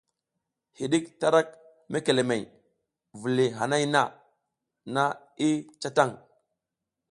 Hiɗik tarak mekelemehey, viliy hanay na i ca tan.